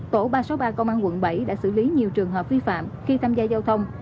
tổ ba trăm sáu mươi ba công an quận bảy đã xử lý nhiều trường hợp vi phạm khi tham gia giao thông